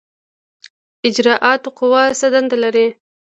اجرائیه قوه څه دنده لري؟